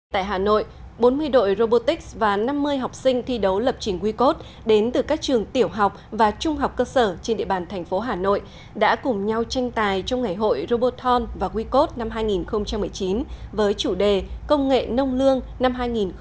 tại hà nội bốn mươi đội robotics và năm mươi học sinh thi đấu lập trình wecode đến từ các trường tiểu học và trung học cơ sở trên địa bàn thành phố hà nội đã cùng nhau tranh tài trong ngày hội roboton và wecode năm hai nghìn một mươi chín với chủ đề công nghệ nông lương năm hai nghìn một mươi chín